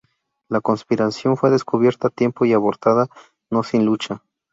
La conspiración fue descubierta a tiempo y abortada, no sin lucha.